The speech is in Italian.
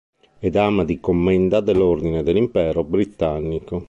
È Dama di Commenda dell'Ordine dell'Impero Britannico.